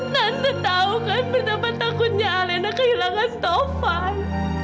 tante tau kan betapa takutnya alena kehilangan tovan